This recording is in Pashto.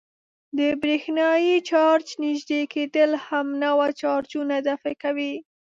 د برېښنايي چارج نژدې کېدل همنوع چارجونه دفع کوي.